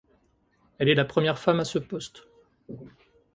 Elle est la première femme à ce poste.